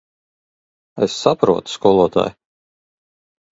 Es saprotu, skolotāj.